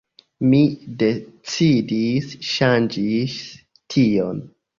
Mi decidis ŝanĝis tion.